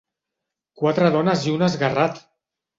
Quatre dones i un esguerrat!